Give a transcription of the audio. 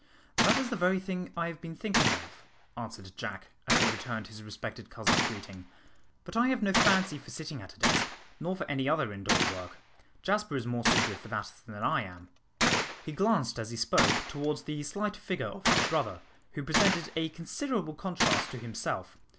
"That is the very thing I have been thinking of," answered Jack, as he returned his respected cousin's greeting, "but I have no fancy for sitting at a desk, nor for any other indoor work. Jasper is more suited for that than I am." He glanced as he spoke towards the slight figure of his brother, who presented a considerable contrast to himself.